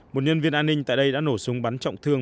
một nhân viên an ninh tại đây đã nổ súng bắn trọng thương